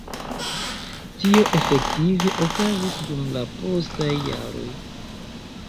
Tio efektive okazis dum la postaj jaroj.